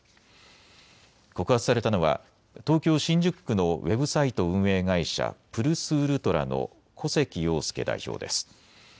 告発されたのは東京新宿区のウェブサイト運営会社、プルスウルトラの古関陽介代表です。